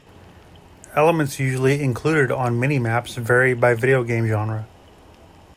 Elements usually included on Mini-maps vary by video game genre.